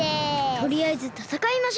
とりあえずたたかいましょう。